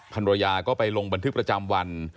ทรรยาก็ไปลงบัณฑฤกษ์ประจำวัน